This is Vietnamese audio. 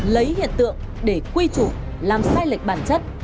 lấy hiện tượng để quy chủ làm sai lệch bản chất